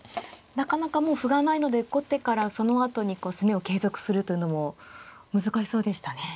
なかなかもう歩がないので後手からそのあとに攻めを継続するというのも難しそうでしたね。